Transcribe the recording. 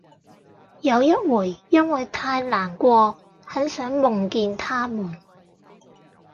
有一回因為太難過很想夢見他們